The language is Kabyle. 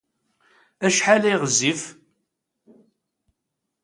Acḥal ay ɣezzif?